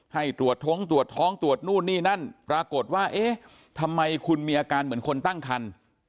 ให้ตรวจท้องตรวจท้องตรวจนู่นนี่นั่นปรากฏว่าเอ๊ะทำไมคุณมีอาการเหมือนคนตั้งคัน